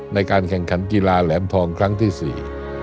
ในการแข่งขันกีฬาแหลมทองครั้งที่สี่